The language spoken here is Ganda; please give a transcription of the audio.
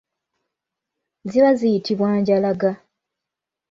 Ziba ziyitibwa njalaga.